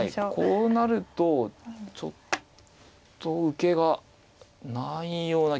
こうなるとちょっと受けがないような気がする。